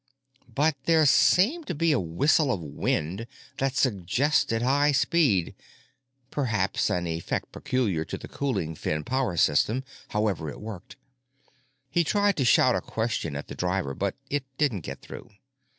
But there seemed to be a whistle of wind that suggested high speed—perhaps an effect peculiar to the cooling fin power system, however it worked. He tried to shout a question at the driver, but it didn't get through.